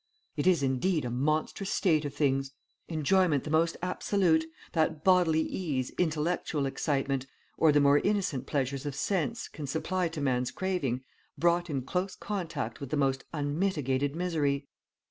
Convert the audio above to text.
"It is indeed a monstrous state of things! Enjoyment the most absolute, that bodily ease, intellectual excitement, or the more innocent pleasures of sense can supply to man's craving, brought in close contact with the most unmitigated misery!